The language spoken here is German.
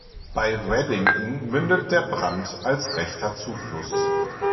Bei Waddington mündet der Brant als rechter Zufluss.